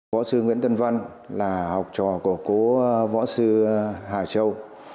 võ sư nguyễn tân văn là học trò của cố võ sư hà châu